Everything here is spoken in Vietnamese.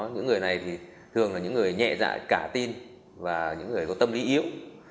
những người này thì thường là những người nhẹ dạ cả tin và những người có tâm lý yếu